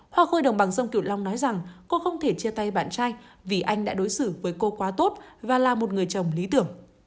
hoa khôi đồng bằng sông kiểu long nói rằng cô không thể chia tay bạn trai vì anh đã đối xử với cô quá tốt và là một người chồng lý tưởng